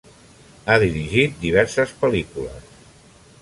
Ha dirigit diverses pel·lícules.